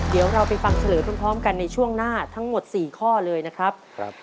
เดี๋ยวเราไปฟังเฉลยพร้อมกันในช่วงหน้าทั้งหมด๔ข้อเลยนะครับ